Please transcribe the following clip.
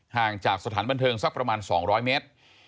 ห่างจากสถานบันเทิงสักประมาณ๒๐๐เมตร